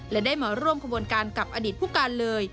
และได้มาร่วมขบวนการกับอดีตผู้การเลย